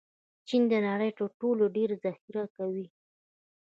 چین د نړۍ تر ټولو ډېر ذخیره کوي.